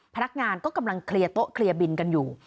พนักงานก็กำลังเคลียร์โต๊ะเคลียร์บินกันอยู่